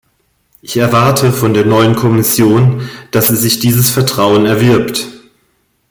Ich erwarte von der neuen Kommission, dass sie sich dieses Vertrauen erwirbt.